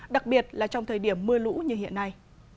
đặc biệt là trong thời điểm mưa lũ như hiện nay